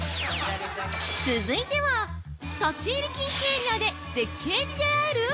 ◆続いては、立入禁止エリアで絶景に出会える！？